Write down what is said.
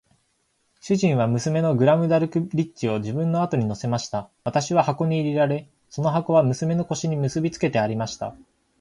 主人は娘のグラムダルクリッチを自分の後に乗せました。私は箱に入れられ、その箱は娘の腰に結びつけてありました。